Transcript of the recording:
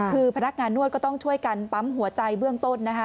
คือพนักงานนวดก็ต้องช่วยกันปั๊มหัวใจเบื้องต้นนะคะ